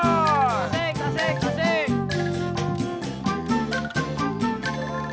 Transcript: tasik tasik tasik